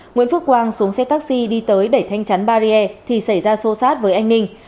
nguyễn phước quang xuống xe taxi đi tới đẩy thanh chắn barrier thì xảy ra xô xát với anh ninh